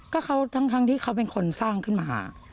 ก็เขาทั้งที่เขาเป็นคนสร้างขึ้นมา